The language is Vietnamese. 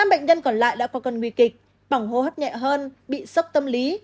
năm bệnh nhân còn lại đã có cơn nguy kịch bỏng hô hấp nhẹ hơn bị sốc tâm lý